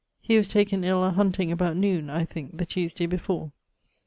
He was taken ill a hunting about noon, I think the Tuesday before.